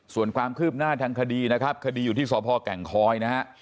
ส่วนความคืบหน้าทางคดีนะครับคดีอยู่ที่สพแก่งคอยนะฮะ